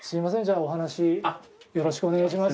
お話、よろしくお願いします。